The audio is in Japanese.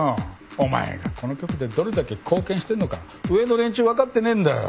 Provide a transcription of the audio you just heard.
お前がこの局でどれだけ貢献してんのか上の連中分かってねえんだよ。